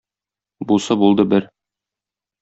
Бусы булды бер.